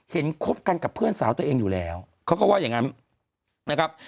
คบกันกับเพื่อนสาวตัวเองอยู่แล้วเขาก็ว่าอย่างนั้นนะครับ